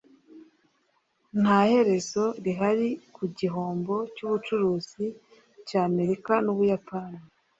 nta herezo rihari ku gihombo cy'ubucuruzi cy'amerika n'ubuyapani